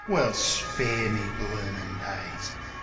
.. Well, spare me bloomin' days!